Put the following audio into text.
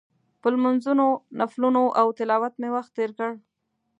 په لمونځونو، نفلونو او تلاوت مې وخت تېر کړ.